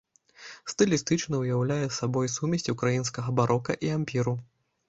Стылістычна ўяўляе сабой сумесь ўкраінскага барока і ампіру.